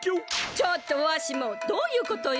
ちょっとわしもどういうことよ？